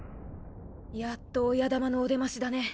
やっと親玉のお出ましだね。